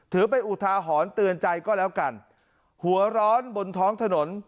ถือเป็นอุทาหรณ์เตือนใจก็แล้วกันหัวร้อนบนท้องถนน